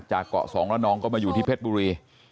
จากเกาะสองระนองก็มาอยู่ที่เพชรบุรี